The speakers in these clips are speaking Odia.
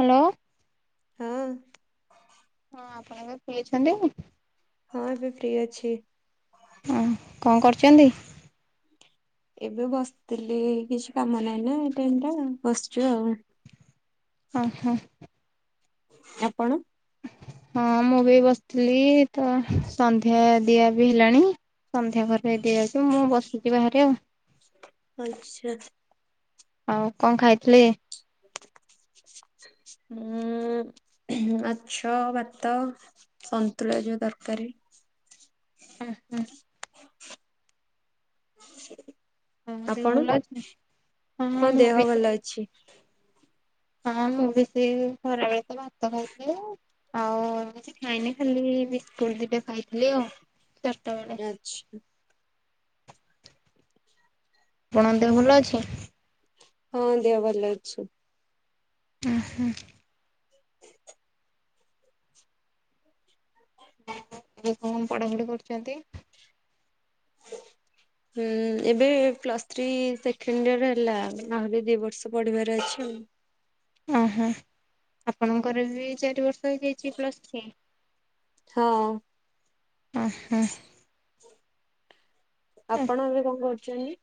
ହାଲୋ। ହଁ। ହଁ ଆପଣ ଏବେ ଫ୍ରି ଅଛନ୍ତି? ହଁ ଏବେ ଫ୍ରି ଅଛି। ଅଁ କଁ କରୁଚନ୍ତି? ଏବେ ବସତିଲି କିଛି କାମ ନାହିଁ ନାଁ ଏ ଟାଇମ୍ ଟା ବସଚୁ ଆଉ। ଅଁ ହଁ। ଆପଣ? ହଁ ମୁଁ ବି ଏଇ ବସିଥିଲି ତ ସନ୍ଧ୍ୟା ଦିଆ ବି ହେଲାଣି। ସନ୍ଧ୍ୟା ଘରେ ଦିଆଯାଉଛି, ମୁଁ ବସିଛି ବାହାରେ ଆ,। ଅଛି ଏଇଠି। ଆଉ କଣ ଖାଇଥିଲେ? ମୁଁ ମାଛ, ଭାତ ସନ୍ତୁଳା ଯୋଉ ତରକାରୀ। ହଁ, ହଁ। ଦେହ ଆପଶ? ଭଲ ଅଛି? ହଁ ମୁଁ ଦେହ ବି ସେ ଭଲ ଅଛି। ହଁ ମୁଁ ବି ସେଇ ଖରାବେଳେ ତ ଭାତ ଖାଇଥିଲି ଆଉ। ଆଉ ମୁଁ କିଛି ଖାଇନି ଖାଲି ବିସ୍କୁଟ୍ ଦିଟା ଖାଇଥିଲି ଆଉ। ଚାରଟା ବେଳେ। ଆଚ୍ଛା। ଆପଣଙ୍କ ଦେହ ଭଲ ଅଛି? ହଁ ଦେହ ଭଲ ଅଛି। ଓ ହୋ। ଏବେ କଣ ପଢାପଢି କରୁଛନ୍ତି? ହୁଁ, ଏବେ ପ୍ଲସ୍ ଥ୍ରୀ ସେକେଣ୍ଡ ଇୟର୍ ହେଲା। ମାନେ ଆହୁରି ଦି ବର୍ଷ ପଢିବାର ଅଛି ଆଉ। ଅଁ, ହଁ ଆପଣଙ୍କର ବି ଚାରି ବର୍ଷ ହେଇଯାଇଛି ପ୍ଲସ୍ ଥ୍ରୀ? ହଁ। ଅଁ, ହଁ। ଆପଣ ଏବେ କଣ କରୁଛନ୍ତି?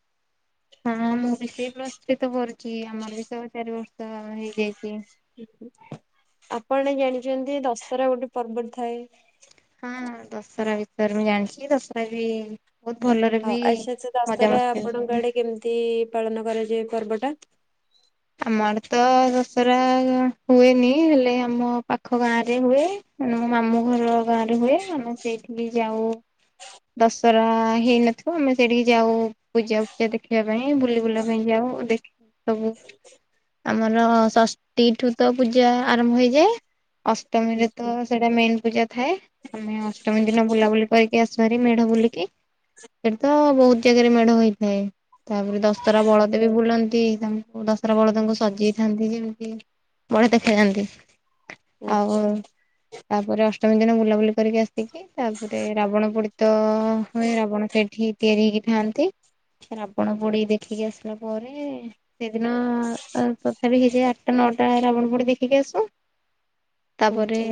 ହଁ ମୁଁ ମୁଁ ବି ସେ ପ୍ଲସ୍ ଥ୍ରୀ ତ କରୁଚି, ଆମର ବି ସ-ଚାରି ବର୍ଷ ହେଲା ହେଇଯାଇଛି। ଆପଣ ଜାଣିଛନ୍ତି ଦଶହରା ଗୋଟେ ପର୍ବ ଥାଏ? ହଁ, ହଁ ଦଶରା ବିଷୟରେ ମୁଁ ଜାଣିଚି। ଦଶରା ବି ବହୁତ ଭଲରେ ହଁ ବି ମଜାମସ୍ତି ହୁଏ। ତି ପାଳନ କରାଯାଏ ଏ ପର୍ବଟା। ଆମର ତ ଦଶରା ହୁଏନି। ହେଲେ ଆମ ପାଖ ଗାଁ ରେ ହୁଏ। ଆମେ ମୋ ମାମୁଁ ଘର ଗାଁ ରେ ହୁଏ, ଆମେ ସେଇଠି କି ଯାଉ। ଦଶରା ହେଇନଥିବ ଆମେ ସେଇଠିକି ଯାଉ। ପୂଜା ଫୂଜା ଦେଖିବା ପାଇଁ ବୁଲି ବୁଲା ପାଇଁ ଯାଉ। ଦେଖିକି ସବୁ ଆମର ଷଷ୍ଠୀ ଠୁ ତ ପୂଜା ଆରମ୍ଭ ହେଇଯାଏ। ଅଷ୍ଟମୀରେ ଆଚ୍ଛା ତ ସେଇଟା ମେନ୍ ପୂଜା ଥାଏ। ଆମେ ଅଷ୍ଟମୀ ଦିନ ବୁଲାବୁଲି କରିକି ଆସୁ ଭାରି ମେଢ ବୁଲିକି। ସେଠି ତ ବହୁତ ଜାଗାରେ ମେଢ ହୋଇଥାଏ। ତାପରେ ଦଶରା ବଳଦ ବି ବୁଲନ୍ତି, ତାଙ୍କୁ ଦଶ ଶରା ବଳଦଙ୍କୁ ସଜେଇଥାନ୍ତି ଯେମିତି ବଢିଆ ଦେଖାଯାଥାନ୍ତି। ଆଉ ଆଚ୍ଛା ତାପରେ ଅଷ୍ଟମୀ ଦିନ ବୁଲାବୁଲି କରିକି ଆସିକି ତାପରେ ରାବଣ ପୋଡିତ ହୁଏ, ରାବଣ ସେଠି ତିଆରି ହେଇ ଥାଆନ୍ତି। ରାବଣ ପୋଡି ଦେଖିକି ଆସିଲା ପରେ ନଅ ତ ତଥାପି ହେଇଯାଏ ଆଟା ନଅଟା ରାବଣ ପୋଡି ଦେଖିକି ଆସୁ। ତାପରେ ଆଚ୍ଛା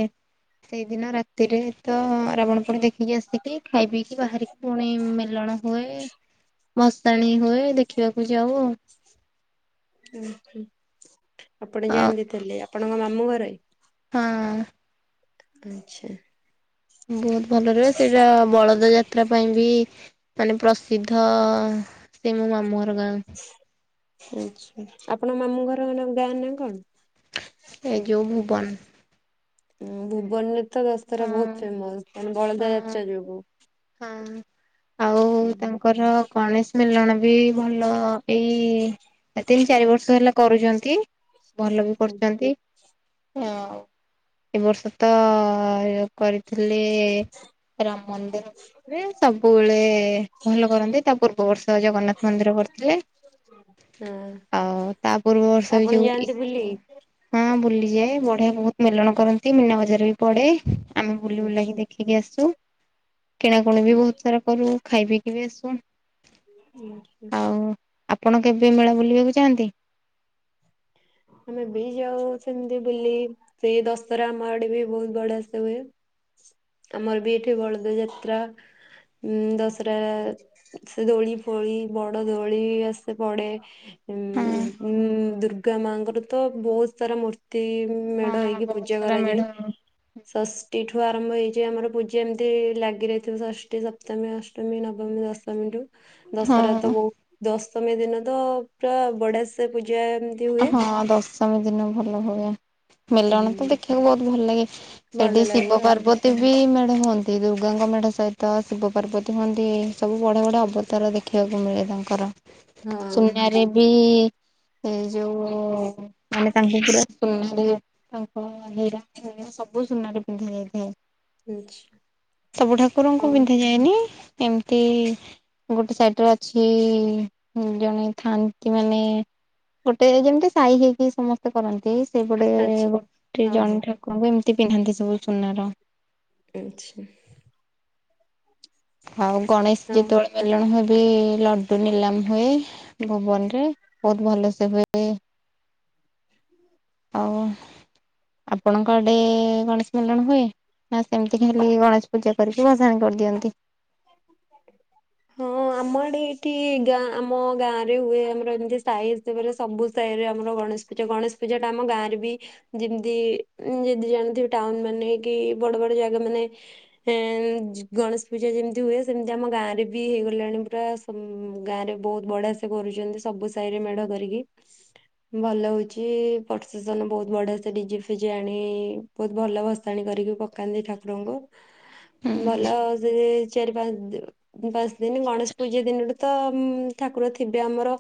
ସେଇଦିନ ରାତିରେ ତ ରାବଣ ପଣି ଦେଖିକି ଆସିକି ଖାଇ ପିଇକିି ବାହାରିବୁ। ପୁଣି ମେଲଣ ହୁଏ, ଭଶାଣି ହୁଏ ଦେଖିବାକୁ ଯାଉ। ଓହୋ, ଆପଣ ଆଉ। ଅ ଯାଆନ୍ତି ତାହାଲେ ଆପଣଙ୍କ ମାମୁଁ ଘରେ? ହଁ। ଆଚ୍ଛା। ବହୁତ ଭଲ ରୁହେ, ସେଇଟା ବଳଦ ଯାତ୍ରା ପାଇଁ ବି ତାହାଲେ ପ୍ରସିଦ୍ଧ ସେ ମୋ ମାମୁଁ ଘର ଗାଁ। ଆଚ୍ଛା, ଆପଣ ମାମୁଁ ଘର ତାଙ୍କ ଗାଁ ନାଁ କଣ? ଏ ଯୋଉ ଭୁବନ। ଉଁ, ଭୁବନରେ ତ ଦଶରା ହଁ ବହୁତ ଫେମସ୍ [unintelligible] ବଳଦା ଯାତ୍ରା ଯୋଗୁଁ। ହୁଁ ଆଉ ହୁଁ ତାଙ୍କର ଗଣେଶ ମେଲଣ ବି ଭଲ ଏଇ ତିନି ଚାରି ବର୍ଷ ହେଲା କରୁଚନ୍ତି। ଭଲ ବି ହଁ କରୁଚନ୍ତି ଆଉ ଏ ବର୍ଷ ତ ହେ କରିଥିଲି ରାମ ମନ୍ଦିର ସବୁବେଳେ ଭଲ କରନ୍ତି ତା ପୂର୍ବ ବର୍ଷ ଜଗନ୍ନାଥ ମନ୍ଦିର କରିଥିଲେ। ହୁଁ [unintelligible] ଆଉ ତା ପୂର୍ବ ବର୍ଷ ଏ ଆପଣ ଯୋଉ ଯାଆନ୍ତି ବୁଲି? ହଁ ବୁଲିଯାଏ ବଢିଆ ବହୁତ ମେଲଣ କରନ୍ତି ମୀନା ବଜାର ବି ପଡେ। ଆମେ ବୁଲି ବୁଲାକି ଆଚ୍ଛା ଦେଖିକି ଆସୁ କିଣାକିଣି ବି ବହୁତ ସାରା କରୁ। ଖାଇ ପିଇକ ବି ଆସୁ। ଆ [unintelligible] ଆଉ ଆପଣ କେବେ ମେଳା ବୁଲିବାକୁ ଯାଆଁନ୍ତି? ଆମେ ବି ଯାଉ ସେମିତି ବୁଲି ସେଇ ଦଶରା ଆମ ଆଡେ ବି ବହୁତ ବଢିଆ ସେ ହୁଏ। ଆମର ବି ଏଠି ବଳଦ ଯାତ୍ରା ଉଁ ଦଶରା ସେ ଦୋଳି ଫୋଳି ବଡ ଦୋଳି ଆସେ ପଡେ ଉଁ ହଁ। ଉଁ ଦୁର୍ଗା ମାଙ୍କର ତ ବହୁତ ସାରା ମୂର୍ତ୍ତି ମେଢ ହଁ ହେଇକି ବହୁତ ପୂଜା ସାରା ମେଢ କରାଯାଏ। ଷଷ୍ଠୀ ଠୁ ଆରମ୍ଭ ହେଇଯାଏ ଆମର ପୂଜା ଏମିତି ଲାଗିରହିଥିବ ଷଷ୍ଠୀ ସପ୍ମୀ ଷଷ୍ଠ ମୀ ନବମୀ ଦଶମୀ ରୁ ଦଶରା ତ ହଁ ବହୁ ଦଶମୀ ଦିନ ତ ପୁରା ବଡ ସେ ପୂଜା ଅ ହୁଏ। ହଁ ଦଶମୀ ଦିନ ଭଲ ହୁଏ। ମେଲଣ ତ ହୁଁ ଦେଖିବାକୁ ବହୁତ ଭଲ ଲାଗେ ଭଲ ସେଠି ଲାଗେ ଶିବ ପାର୍ବତ କେତେ ବି ମେଢ଼ ହୁଅନ୍ତି ଦୁର୍ଗାଙ୍କ ମେଢ଼ ସହିତ ଶିବ ପାର୍ବତୀ ହୁଅନ୍ତି ସବୁ ବଢିଆ ବଢ଼ିଆ ଅବତାର ଦେଖ ଦେଖିବାକୁ ମିଳେ ତାଙ୍କର ଆଉ ସୁନାରେ ବି ଏ ଯୋଉ ମାନେ ତାଙ୍କୁ ପୁରା ସୁନାରେ ତାଙ୍କ ହୀରା ଫିରା ସବୁ ସୁନା ରେ ପିନ୍ଧା ଯାଇଥାଏ। ହଁ ଆଚ୍ଛା ସବୁ ଠାକୁରଙ୍କୁ ହଁ ପିନ୍ଧାଯାଏନି? ଏମିତି ଗୋଟେ ସାଇଟିରେ ଅଛି ଜଣେ ଥାନ୍ତି ମାନେ ଗୋଟେ ଯେମିତି ସାହି ହେଇକି ସମସ୍ତେ କରନ୍ତି ସେ ପଟେ ଆଚ୍ଛା ଗୋଟେ ହଁ ହଁ। ଜଣଠା ତାଙ୍କୁ ଏମିତି ପିନ୍ଧାନ୍ତି ସବୁ ସୁନାର। ଆଚ୍ଛା। ଆଉ ଗଣେଶ ହଁ ଯେତେବେଳେ ମେଲଣ ହୁଏ ବି ଲଡୁ ନିଲାମ ହୁଏ ଭୁବନ ରେ ବହୁତ ଭଲ ସେ ହୁଏ। ଆଉ ଆପଣଙ୍କ ଆଡେ ଗଣେଶ ମେଲଣ ହୁଏ। ମା ସେମିତି ଖାଲି ଗଣେଶ ପୂଜା କରିକି ଭସାଣି କରିଦିଅନ୍ତି। [inaudible] ହଁ ଆମ ଆଡେ ଏଇଠି ଗାଁ ଆମ ଗାଁ ରେ ହୁଏ ଆମର ଏମିତି ସାଇ ହିସାବରେ ସବୁ ରେ ଆମର ଗଣେଶ ପୂଜା ଗଣେଶ ପୂଜା ଟା ଆମ ଗାଁରେ ବି ଯେମତି ଯ ଜାଣିଥିବେ ଟାଉନ ମାନେ କି ବଡ ବଡ ଜାଗା ମାନେ ହେଁମ୍ ଗଣେଶ ପୂଜା ଯେମତି ହୁଏ ସେମିତି ଆମ ଗାଁରେ ବି ହେଇଗଲାଣି ପୁରା ଗାଁରେ ବହୁତ ବଢିଆ ସେ କରୁଚନ୍ତି ସବୁ ସାହିରେ ମେଢ କରିକି ଭଲ ହଉଛି ପ୍ରୋସେସନ ବହୁତ ବଢିଆ ସେ ଡିଜେ ଫିଜେ ଆଣି ବହୁତ ଭଲ ଭସାଣି କରିକି ପକାନ୍ତି ଠାକୁରଙ୍କୁ। [inaudible] ଭଲ ସେ ଜେ ଚାରି ପାଞ୍ଚ ପାଞ୍ଚ ଦିନ ଗଣେଶ ପୂଜା ଦିନରୁ ତ ଠାକୁର ଥିବେ ଆମର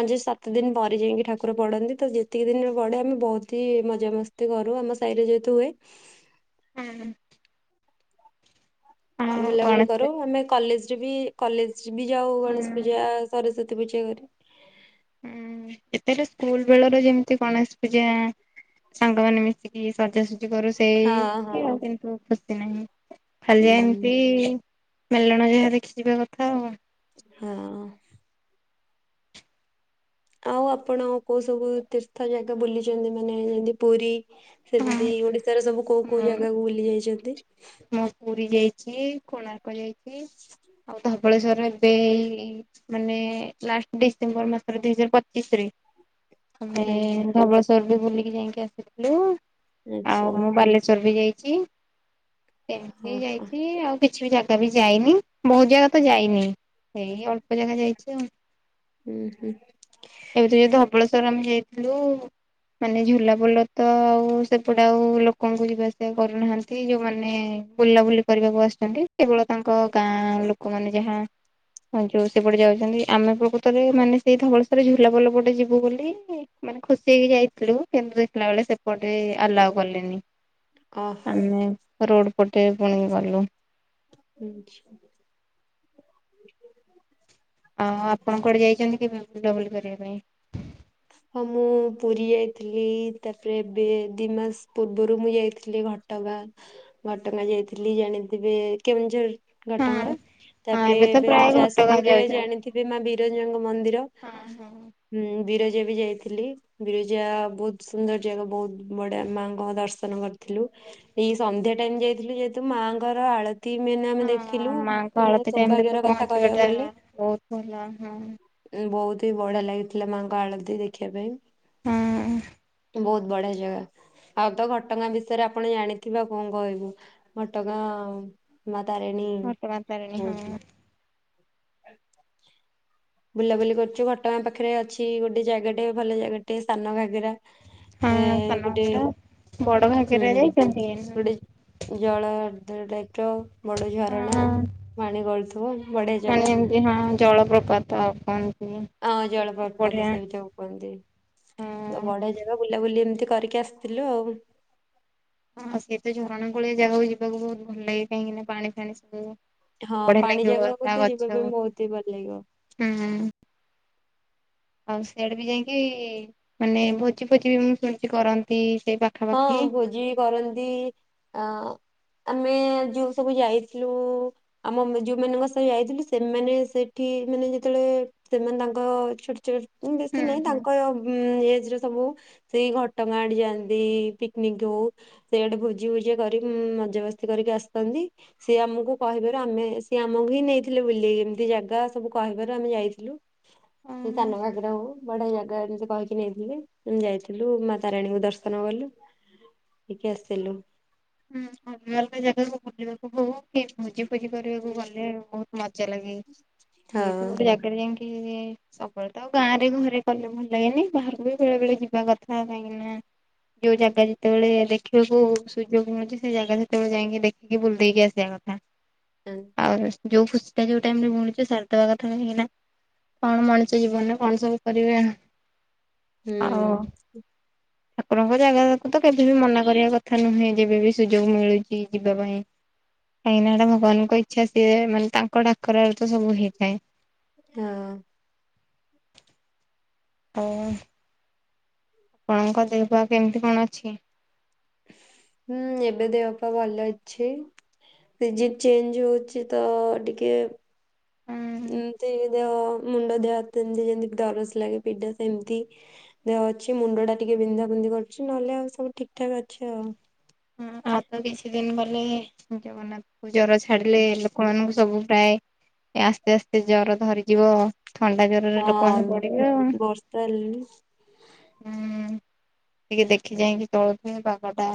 ପାଞ୍ଚ ସାତ ଦିନ ପରେ ଯାଇକି ଠାକୁର ପଢନ୍ତି ତ ଯେତିକି ଦିନରେ ପଡ଼େ ଆମେ ବହୁତ ହି ମଜା ମସ୍ତି ମସ୍ତି କରୁ ଆମ ସାହିରେ ଯେହେତୁ ହୁଏ ଏଁ ଦେ। ଆଉ ବୁଲାବୁଲି ଗଣେଶ କରୁ ପୂଜା ଆମେ କଲେଜରେ ବି କଲେଜ ବି ଯାଉ ହୁଁ ଗଣେଶ ପୂଜା ସରସ୍ଵତୀ ପୂଜା କରି। ଯେତେହେଲେ ସ୍କୁଲ ବେଳର ଯେମିତି ଗଣେଶ ପୂଜା? ସାଙ୍ଗମାନେ ମିଶିକି ସଜାସଜି କରୁ ହଁ ହଁ ସେମିତି କିନ୍ତୁ ଖୁସି ନାହିଁ। ଖାଲି ହୁଁ ଏମିତି ମେଲଣ ଯାହା ଦେଖିଯିବା କଥା ଆଉ ହଁ। ଆଉ ଆପଣ କୋଉ ସବୁ ତୀର୍ଥ ଜାଗା ବୁଲିଛନ୍ତି ମାନେ ଯେମତି ପୁରୀ? ସେମତି ହଁ। ଓଡିଶାର ସବୁ କୋଉ କୋଉ ମୁଁ ଜାଗାକୁ ବୁଲି ଯାଇଛନ୍ତି? ମୁଁ ପୁରୀ ଯାଇଛି କୋଣାର୍କ ଯାଇଛି ଆଉ ଧବଳେଶ୍ଵରରେ ଏବେ ମାନେ ଲାଷ୍ଟ ଡିସେମ୍ବର ମାସରେ ଦୁଇ ହଜାର ପଚିଶରେ ଆମେ ଆଚ୍ଛା ଧବଳେଶ୍ଵରବି ବୁଲିକି ଯାଇକି ଆସିଥିଲୁ। ଆଉ ଆଚ୍ଛା ମୁଁ ବାଲେଶ୍ଵର ବି ଯାଇଛି ଏମତି ଓହୋ ଯାଇଛି ଆଉ କିଛି ବି ଜାଗା ବି ଯାଇନି ବହୁତ ଜାଗା ତ ଯାଇନି ଏଇ ଅଳ୍ପ ଜାଗା ଯାଇଛି ଆଉ ହୁଁ ହୁଁ। ଏବେ ଯୋଉ ଧବଳେଶ୍ଵର ଆମେ ଯାଇଥିଲୁ? ମାନେ ଝୁଲା ପୋଲ ତ ଆଉ ସେପଟେ ଆଉ ଲୋକଙ୍କୁ ଯିବା ଆସିବା କରୁନାହାନ୍ତି। ଏ ଯୋଉମାନେ ବୁଲାବୁଲି କରିବାକୁ ଆସିଛନ୍ତି କେବଳ ତାଙ୍କ ଗାଁ ଲୋକମାନେ ଯାହା ହଁ ଯୋଉ ସେପଟେ ଯାଉଛନ୍ତି ଆମେ ପ୍ରକୃତରେ ମାନେ ସେଇ ଧବଳେଶ୍ୱର୍ ଝୁଲାପୋଲ ପଟେ ଯିବୁ ବୋଲି ମାନେ ଖୁସି ହେଇକି ଯାଇଥିଲୁ କିନ୍ତୁ ଦେଖିଲା ବେଳେ ସେପଟେ ଆଲାଓ କଲେନି। ଓହୋ ଆମେ ରୋଡ ପଟେ ପୁଣି ଗଲୁ। ଆଛା। ଆଉ ଆପଣ କୁଆଡ଼େ ଯାଇଛନ୍ତି କେବେ ବୁଲାବୁଲି କରିବା ପାଇଁ? ହଁ ମୁଁ ପୁରୀ ଯାଇଥିଲି ତାପରେ ଏବେ ଦି ମାସ ପୂର୍ବରୁ ମୁଁ ଯାଇଥିଲି ଗୋଟେ ଘଟଗାଁ ଘଟଗାଁ ଯାଇଥିଲି ଜାଣିଥିବେ କେଉଁଝର ହଁ ଘଟଗାଁ। ହଁ ତାପରେ ତ ଏବେ ପ୍ରାୟ ଘଟଗାଁ ଯାଜପୁରରେ ଯାଉଛନ୍ତି ଜାଣିଥିବେ ମା ବିରଯାଙ୍କ ମନ୍ଦିର। ହଁ, ହଁ। ହୁଁ, ବିରଜା ବି ଯାଇଥିଲି। ବିରିଜା ବହୁତ ସୁନ୍ଦର ଯାଗା ବହୁତ ବଢିଆ ମାଙ୍କ ଦର୍ଶନ କରିଥିଲୁ। ଏଇ ସନ୍ଧ୍ୟା ଟାଇମ ଯାଇଥିଲୁ ଯେହେତୁ ମାଆଙ୍କର ଆଳ ତୀ ଆମେ ହଁ ଦେଖିଲୁ ମାଙ୍କ ମାନେ ଆଳତି ଟାଇମ ରେ ତ ସୌଭାଗ୍ୟର କଥା କହିବାକୁ ପହଞ୍ଚିବାଟା ଗଲେ। ବହୁତ ଭଲ ହଁ। ବହୁତ ହିଁ ବଢିଆ ଲାଗିଥିଲା ମାଆଙ୍କ ଆଳତି ଦେଖିବା ପାଇଁ। ହାଁ। ବହୁତ ବଢିଆ ଜାଗା। ଆଉ ତ ଘଟଗାଁ ବିଷୟରେ ଆପଣ ଜାଣିଥିବେ କଣ କହିବୁ ଘଟଗାଁ ଆଉ ମା ତାରେଣୀ ଘଟଗାଁ ତାରିଣୀ ହଁ ରହୁଥିଲେ। ବୁଲାବୁଲି କରୁଛୁ ଘଟଗାଁ ପାଖରେ ଅଛି, ଗୋଟେ ଜାଗାଟେ ଭଲ ଜାଗାଟେ ସାନଘାଗେରା। ହଁ ଏ ସାନ ଗୋଟେ ଘାଗରା। ବଡ ହୁଁ ଘାଗରା ଯାଇଛନ୍ତି? ଗୋଟେ ଜଳ ବଡ ଝରଣା ହଁ ପାଣି ଗଳୁଥିବ ବଢିଆ ମାନେ ଜାଗା। ଏମିତି ହଁ ଜଳପ୍ରପାତ ଆଉ କଣ? ହଁ ଜଳପ୍ରପାତ ସେ ଯୋଉ କୁହନ୍ତି ହଁ। ତ ବଢିଆ ଜା ବୁଲାବୁଲି ଏମିତି କରିକି ଆସିଥିଲୁ ଆଉ ହଁ ସେ ତ ଝରଣା କୂଳିଆ ଜାଗାକୁ ଯିବାକୁ ବହୁତ ଭଲ ଲାଗେ କାହିଁକିନା ପାଣି ଫାଣି ସବୁ। ହଁ ବଢିଆ ପାଣି ଲାଗିବ ଜାଗାକୁ ତା ତ ଗଛ ଯିବା ପାଇଁ ବହୁତ ହିଁ ଭଲ ଲାଗିବ। ହୁଁ। ଆଉ ସିଆଡେ ବି ଯାଇଁକି ମାନେ ଭୋଜି ଫୋଜି ବି ମୁଁ ଶୁଣିଛି କରନ୍ତି ସେଇ ପା ହଁ ଭୋଜି ବି କରନ୍ତି ଅଁ ଆମେ ଯୋଉ ସବୁ ଯାଇଥିଲୁ। ଆମେ ଯୋଉମାନଙ୍କ ସାଙ୍ଗ ଯାଇଥିଲି ସେମାନେ ସେଠି ମାନେ ଯେତେବେଳେ ସେମାନେ ତାଙ୍କ ଛୋଟ ଛୋଟ ବେଶୀ ହୁଁ ନାହିଁ ତାଙ୍କ ଏଜ ର ସବୁ ସେଇ ଘଟଗାଁ ଆଡେ ଯାଆନ୍ତି। ଏଇ ପିକନିକ ହୋଉ ସେଇ ଆଡେ ଭୋଜି ଫୋଜି ଆ କରି ଉମ୍ ମଜାମସ୍ତି କରିକି ଆସିଥାନ୍ତି ସିଏ ଆମକୁ କହିବାରୁ ଆମେ ସିଏ ଆମକୁ ହିଁ ନେଇଥିଲେ ବୁଲି ଏମିତି ଜାଗା ସବୁ କହିବାରୁ ଆମେ ଯାଇଥିଲୁ। ସେ ହୁଁ। ସାନଘାଗରା ହୋଉ ବଢିଆ ଜାଗା ଉନ୍ କହିକି ନେଇଥିଲେ ଆମେ ଯାଇଥିଲୁ ମାତାରାଣୀଙ୍କୁ ଦର୍ଶ ନ କଲୁ ହେଇକି ଆସିଲୁ। ହୁଁ ଅଲଗା ଅଲଗା ଜାଗାକୁ ବୁଲିବାକୁ ହୋଉ କି ମଜା ଭୋଜି କରିବାକୁ ଗଲେ ବୋହୁତ ମଜା ଲାଗେ ହଁ ଯେହେତୁ ଗୋଟେ ଜାଗାରେ ଯାଇଁକି ସବୁବେଳେ ତ ଆଉ ଗାଁରେ ଘରେ କଲେ ଭଲ ଲାଗେନି ବାହାରକୁ ବି ବେଳେ ବେଳେ ଯିବା କଥା କାହିଁକି ନା ଯୋଉ ଜାଗା ଯେତବେଳେ ଦେଖିବାକୁ ସୁ ଯୋଗ ମିଳୁଚି ସେଇ ଜାଗା ସେତେବେଳେ ଯାଇକି ଦେଖିକି ବୁଲିଦେଇକି ଆସିବା କଥା ହୁଁ ଆଉ ଯୋଉ ଖୁସିଟା ଯୋଉ ଟାଇମରେ ମିଳୁଚି ସାରିଦବା କଥା କାହିଁକି ନା କଣ ମଣିଷ ଜୀବନରେ କଣ ସବୁ କରିବେନା ଆଉ ଠାକୁରଙ୍କ ଜାଗାକୁ ତ କେବେ ବି ମନା କରିବା କଥା ନୁହେଁ। ଯେବେ ବି ସୁଯୋଗ ମିଳୁଚି ଯିବା ପାଇଁ କାହିଁକିନା ଏଟା ଭଗବାନଙ୍କ ଇଚ୍ଛା ସିଏ ମାନେ ତା ଙ୍କ ଡାକରାରେ ତ ସବୁ ହେଇଥାଏ। ହଁ। ହଁ। ଆପଣଙ୍କ ଦେହପାଆ କେମିତି କଣ ଅଛି? ହୁଁ ଏବେ ଦେହପାଆ ଭଲ ଅଛି। ସିଜିନ୍ ଚେଞ୍ଜ ହୋଉଚି ତ ଟିକେ ଏମତି ଦେହ ମୁଣ୍ଡ ଦେହ ହାତ ଏମତି ଯେମତି ଦରଜ୍ ଲାଗେ ପିଡା ସେମିତି ଦେହ ଅଛି ମୁଣ୍ଡଟା ଟିକେ ବିନ୍ଧା ବିନ୍ଧି କରୁଚି ନହେଲେ ଆଉ ସବୁ ଠିକ ଠାକ ଅଛି ଆଉ। ହଁ ଆଉ ତ କିଛି ଦିନ ଗଲେ ଜଗନ୍ନାଥ କୁ ଜର ଛାଡିଲେ ଲୋକମାନଙ୍କୁ ସବୁ ପ୍ରାୟେ ଏ ଆସ୍ତେ ଆସ୍ତେ ଜର ଧରିଯିବ ଥଣ୍ଡା ଜ ହଁ ଝିପିଝିପି ବର୍ଷା ହେଲି ହୁଁ ଟିକେ ଦେଖି ଚାହିଁକି ଚଳୁଥିବେ ପାଗଟା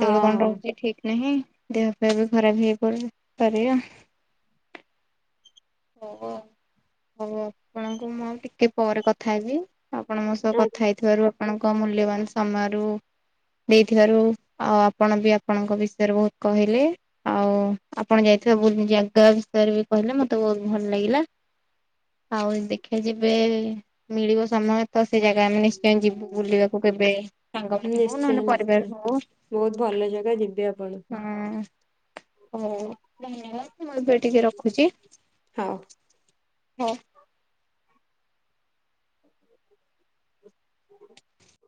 ହଁ କଣ ରହୁଚି ଠିକ ନାହିଁ ଦେହ ପାଆ ବି ଖରାପ ହେଇ ପଡୁ ପାରିବ। ହୋଉ ଆଉ ହୋଉ ଆପଣଙ୍କୁ ମୁଁ ଆଉ ଟିକେ ପରେ କଥା ହେବି। ଆପଣ ମୋ ସହ ହଁ କଥା ହେଇଥିବାରୁ ଆପଣଙ୍କ ମୂଲ୍ୟବାନ ସମୟରୁ ଦେଇଥିବାରୁ ଆଉ ଆପଣ ବି ଆପଣଙ୍କ ବିଷୟରେ ବୋହୁତ କହିଲେ। ଆଉ ଆପଣ ଯାଇଥିବା ବୁଲି ଜାଗା ବିଷୟରେ ବି କହିଲେ ମତେ ବୋହୁତ ଭଲ ଲାଗିଲା। ଆଉ ଦେଖିଆ ଯେବେ ମିଳିବ ସମୟ ତ ସେ ଜାଗା ଆମେ ନିଶ୍ଚୟ ଯିବୁ ବୁଲିବାକୁ କେବେ ସାଙ୍ଗମାନେ ହୋଉ ନିଶ୍ଚୟ ନହନେ ପରିବାର ନିଶ୍ଚୟ ହୋଉ। ବହୁତ ଭଲ ଜାଗା ଯିବେ ଆପଣ ହଁ ହୋଉ [inaudible] ମୁଁ ଏବେ ଟିକେ ରଖୁଚି। ହଁ। ହଁ। [inaudible] [inaudible]